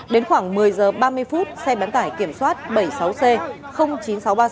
đến khoảng một mươi giờ ba mươi phút xe bán tải kiểm soát bảy mươi sáu c chín nghìn sáu trăm ba mươi chín